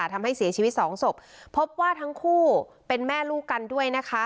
ทำให้เสียชีวิตสองศพพบว่าทั้งคู่เป็นแม่ลูกกันด้วยนะคะ